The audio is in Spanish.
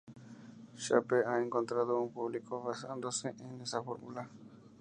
Shape ha encontrado un público basándose en esa fórmula.